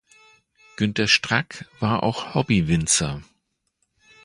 Günter Strack war auch Hobby-Winzer.